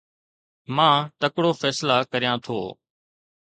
مان تڪڙو فيصلا ڪريان ٿو